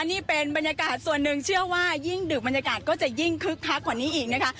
นี่เป็นบรรยากาศส่วนหนึ่งเชื่อว่ายิ่งดึกบรรยากาศก็จะยิ่งคึกคักกว่านี้อีกนะคะ